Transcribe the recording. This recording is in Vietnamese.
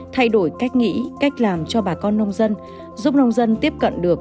thay đổi cách nghĩ cách làm cho bà con nông dân giúp nông dân tiếp cận được